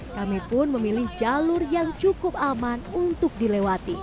kami pun memilih jalur yang cukup aman untuk dilewati